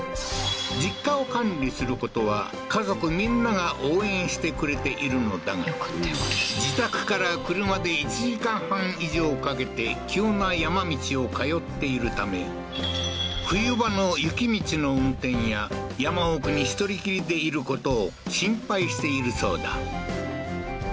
実家を管理することは家族みんなが応援してくれているのだが自宅から車で１時間半以上掛けて急な山道を通っているため冬場の雪道の運転や山奥に１人きりでいることを心配しているそうだ